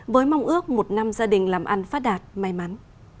với mong ước một năm gia đình làm ăn phát đạt may mắn